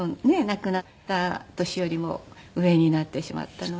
亡くなった年よりも上になってしまったので。